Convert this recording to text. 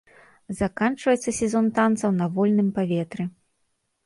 Заканчваецца сезон танцаў на вольным паветры.